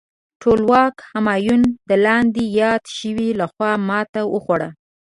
ټولواک همایون د لاندې یاد شویو لخوا ماته وخوړه.